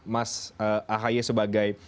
mas ahe sebagai